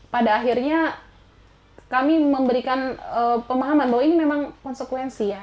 pada akhirnya kami memberikan pemahaman bahwa ini memang konsekuensi ya